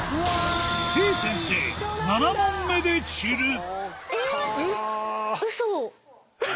てぃ先生７問目で散るハハハ！